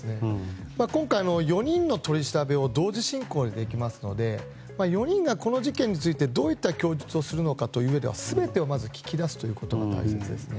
今回、４人の取り調べを同時進行でできますので４人が、この事件についてどういった供述をするのかといううえでは全てをまず聞き出すことが大切ですね。